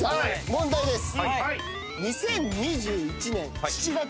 問題です。